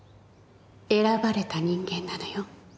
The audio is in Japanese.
選ばれた人間なのよ。